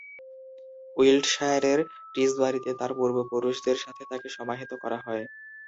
উইল্টশায়ারের টিসবারিতে তাঁর পূর্বপুরুষদের সাথে তাঁকে সমাহিত করা হয়।